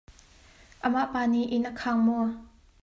Amah pa nih inn a khaang maw?